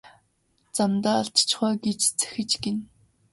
Замдаа алдчихав аа гэж захиж гэнэ.